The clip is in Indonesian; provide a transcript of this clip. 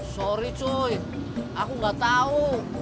sorry cuy aku gak tau